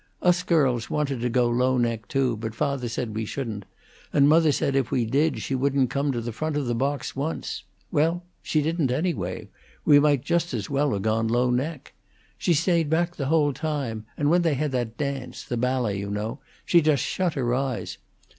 Us girls wanted to go low neck, too; but father said we shouldn't, and mother said if we did she wouldn't come to the front of the box once. Well, she didn't, anyway. We might just as well 'a' gone low neck. She stayed back the whole time, and when they had that dance the ballet, you know she just shut her eyes.